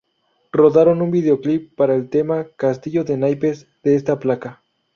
Rodaron un videoclip para el tema "Castillos de naipes" de esta placa.